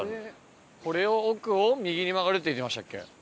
これを奥を右に曲がるって言ってましたっけ？